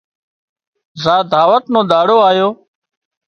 زار دعوت نو ۮاڙو آيو